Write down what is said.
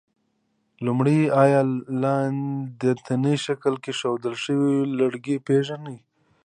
لومړی: آیا لاندیني شکل کې ښودل شوي لرګي پېژنئ؟